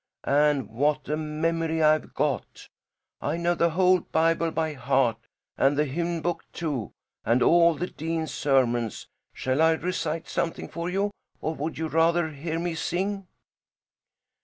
And what a memory I've got! I know the whole Bible by heart and the hymn book, too, and all the dean's sermons. Shall I recite something for you, or would you rather hear me sing?"